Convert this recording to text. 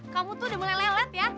kamu tuh udah mulai lelet ya